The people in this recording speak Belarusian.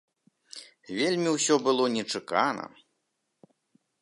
Вельмі ўсё было нечакана.